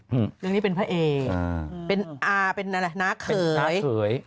เรื่องนี้เป็นพระเอกเป็นนาเขย